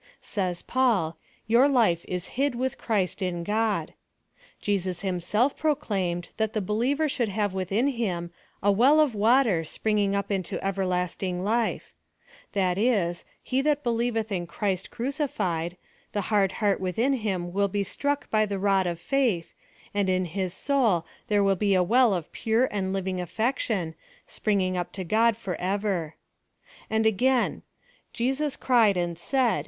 ^^ Says Paul, * Your life is hid with Christ in God." Jesus him self proclaimed that the believer should have within him " a well of water, sprintriiigup into everlasting life'' — tjiat is, he that belie veth in Christ crucified, the hud heart within liim will be struck liy the rod PLAN OF SALVATION. 187 of fr.ith, and in his soul there will be a well of pure and living affection, springing up to God forever. And again :" Jesus cried, and sai/i.